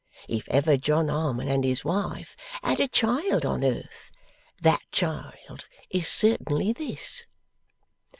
If ever John Harmon and his wife had a child on earth, that child is certainly this.